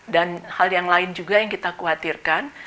dan hal yang lain juga yang kita khawatirkan